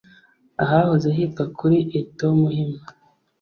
ahahoze hitwa kuri Eto Muhima